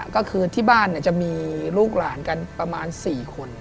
ก็คือที่บ้านจะมีลูกหลานกันประมาณ๔คน